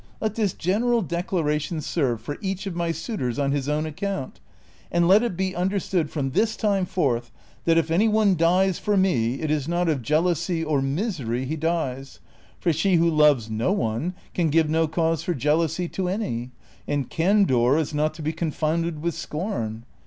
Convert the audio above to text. Let this general declaration serve for each of my suitors on his own account, and let it be understood from this time forth that if any one dies for me it is not of jealousy or misery he dies, for she who loves no one can give no cause for jealousy to any, and candor is not to be con founded Avith scorn.